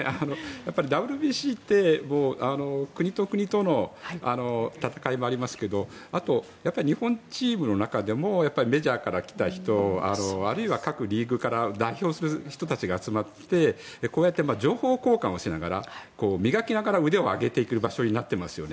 ＷＢＣって国と国との戦いもありますけどあと、日本チームの中でもメジャーから来た人あるいは各リーグから代表する人たちが集まってこうやって情報交換をしながら磨きながら腕を上げていく場所になっていますよね。